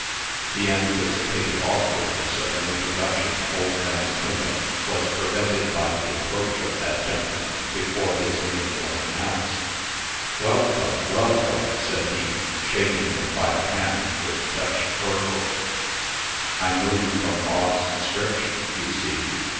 The anticipated awkwardness of an introduction to old Van Quintem, was prevented by the approach of that gentleman before his name was announced. "Welcome! welcome!" said he, shaking him by the hand with Dutch fervor. "I know you from Bog's description, you see.